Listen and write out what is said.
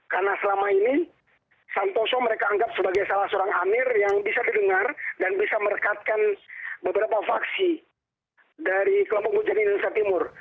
karena selama ini santoso mereka anggap sebagai salah seorang amir yang bisa didengar dan bisa merekatkan beberapa vaksi dari kelompok hujan indonesia timur